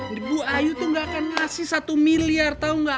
ini bu ayu tuh ga akan ngasih satu miliar tau ngga